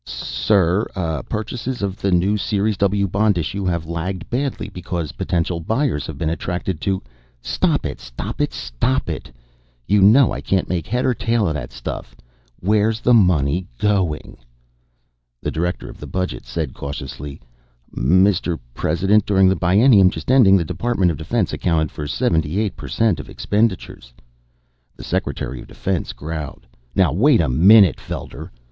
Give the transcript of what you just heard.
"Sir, purchases of the new Series W bond issue have lagged badly because potential buyers have been attracted to " "Stop it, stop it, stop it! You know I can't make head or tail of that stuff. Where's the money going?" The Director of the Budget said cautiously: "Mr. President, during the biennium just ending, the Department of Defense accounted for 78 per cent of expenditures " The Secretary of Defense growled: "Now wait a minute, Felder!